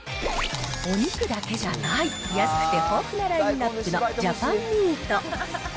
お肉だけじゃない、安くて豊富なラインナップのジャパンミート。